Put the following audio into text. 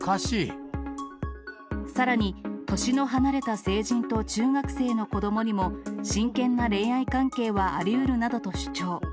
さらに、年の離れた成人と中学生の子どもにも、真剣な恋愛関係はありうるなどと主張。